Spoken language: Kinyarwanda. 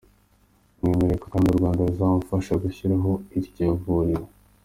Yamwemereye ko kandi u Rwanda ruzamufasha gushyiraho iryo vuriro.